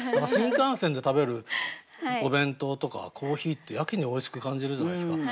新幹線で食べるお弁当とかコーヒーってやけにおいしく感じるじゃないですか。